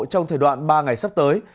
trong thời đoạn ba ngày sắp tới